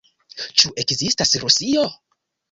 Ĉu ekzistas Rusio?